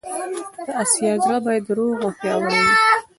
د اسیا زړه باید روغ او پیاوړی وي.